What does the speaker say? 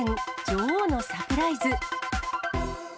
女王のサプライズ。